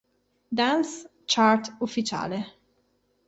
Dance Chart ufficiale.